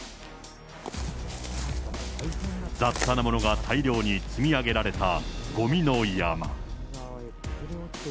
雑多なものが大量に積み上げられたごみの山。